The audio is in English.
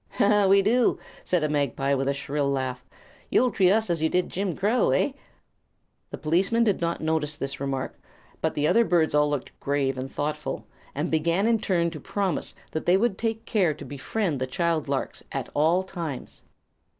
"We do," said a magpie, with a shrill laugh. "You'll treat us as you did Jim Crow. Eh?" The policeman did not notice this remark, but the other birds all looked grave and thoughtful, and began in turn to promise that they would take care to befriend the child larks at all times.